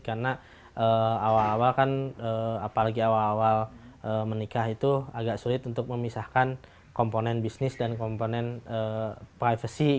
karena awal awal kan apalagi awal awal menikah itu agak sulit untuk memisahkan komponen bisnis dan komponen privacy